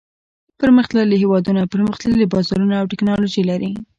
پرمختللي هېوادونه پرمختللي بازارونه او تکنالوجي لري.